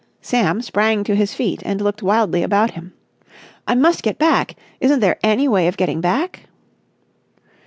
Sam sprang to his feet and looked wildly about him. "I must get back. Isn't there any way of getting back?"